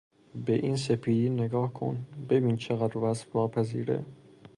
به این سپیدی نگاه کن، ببین چقدر وصف ناپذیره!